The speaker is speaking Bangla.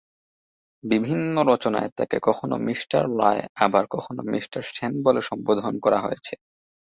বিভিন্ন রচনায় তাকে কখনও মিঃ রায় আবার কখনও মিঃ সেন বলে সম্বোধন করা হয়েছে।